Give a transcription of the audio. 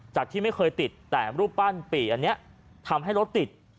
จากที่ไม่เคยติดแต่รูปปั้นปี่อันนี้ทำให้รถติด